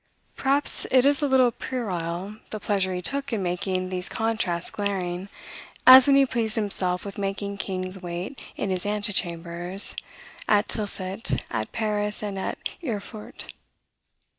Perhaps it is a little puerile, the pleasure he took in making these contrasts glaring; as when he pleased himself with making kings wait in his antechambers, at Tilsit, at Paris, and at Erfurt.